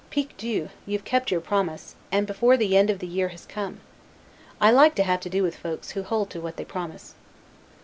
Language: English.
Piques Dieu, you've kept your promise, and before the end of the year has come. I like to have to do with folks who hold to what they promise."